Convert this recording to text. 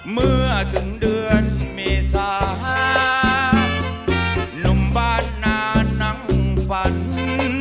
เมื่อถึงเดือนเมษาหนุ่มบ้านนานั่งฝัน